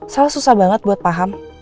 salah susah banget buat paham